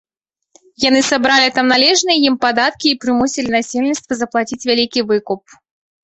Яны сабралі там належныя ім падаткі і прымусілі насельніцтва заплаціць вялікі выкуп.